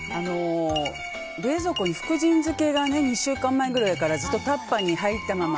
冷蔵庫に福神漬けが２週間前くらいからずっとタッパーに入ったまま。